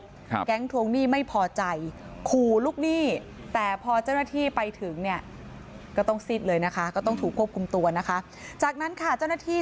และแก๊งทวงหนี้ไม่พอใจขูลุกหนี้